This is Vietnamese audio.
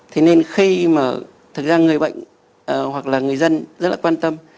thế nên khi mà thực ra người bệnh hoặc là người dân rất là quan tâm